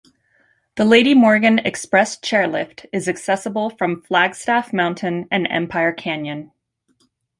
The Lady Morgan Express chairlift is accessible from Flagstaff Mountain and Empire Canyon.